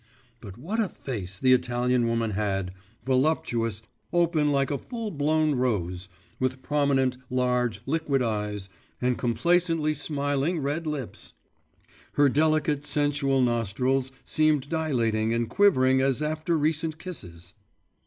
But what a face the Italian woman had, voluptuous, open like a full blown rose, with prominent, large, liquid eyes, and complacently smiling red lips! Her delicate sensual nostrils seemed dilating and quivering as after recent kisses.